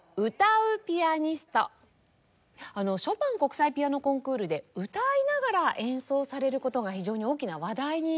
ショパン国際ピアノコンクールで歌いながら演奏される事が非常に大きな話題になったんですよね。